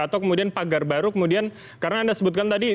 atau kemudian pagar baru kemudian karena anda sebutkan tadi